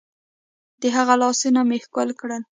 د هغه لاسونه مې ښكل كړل.